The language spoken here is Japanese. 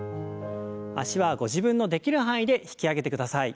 脚はご自分のできる範囲で引き上げてください。